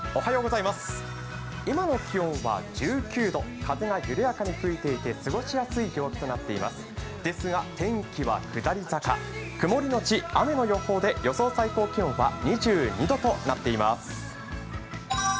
今の気温は１９度、風が緩やかに吹いていてすごしやすい陽気となっていますですが、天気は下り坂、曇のち雨の予報で、予想最高気温は２２度となっています。